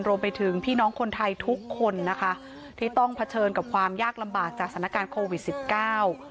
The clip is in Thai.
พี่น้องคนไทยทุกคนนะคะที่ต้องเผชิญกับความยากลำบากจากสถานการณ์โควิดสิบเก้า